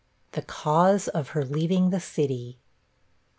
THE CAUSE OF HER LEAVING THE CITY.